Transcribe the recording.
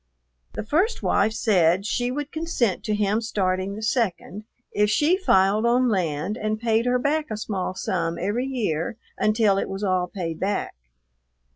The first wife said she would consent to him starting the second, if she filed on land and paid her back a small sum every year until it was all paid back.